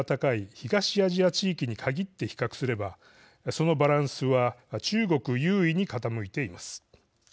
東アジア地域に限って比較すればそのバランスは中国優位に傾いています。